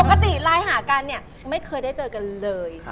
ปกติไลน์หากันเนี่ยไม่เคยได้เจอกันเลย